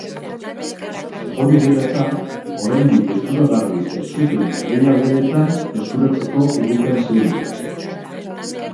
Hori dela eta, oraindik eskuragarri ez zuten herrialdeetan eskuratzeko irrikan zeuden.